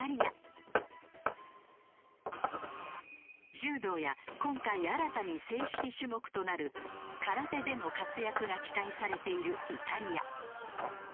柔道や今回新たに正式種目となる空手での活躍が期待されているイタリア。